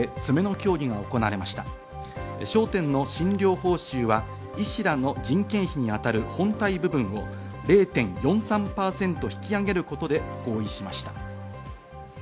焦点となっていた診療報酬は、医師らの人件費に当たる本体部分を０．４３％引き上げることで合意しました。